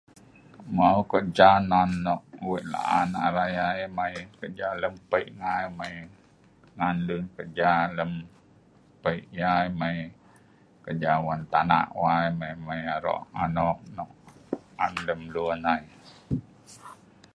mau kerja nan nok wei laan arai ai kerja lem pei' ngai, ngan lun kerja lem pei' yai mai kerja wan tanak wai mai mai arok anok an lem lun ai